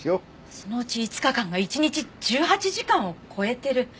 そのうち５日間が一日１８時間を超えてる。